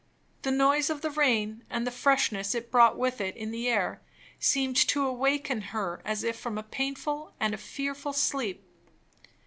The noise of the rain, and the freshness it brought with it in the air, seemed to awaken her as if from a painful and a fearful sleep.